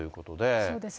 そうですね。